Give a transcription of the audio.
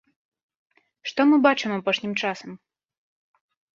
Што мы бачым апошнім часам?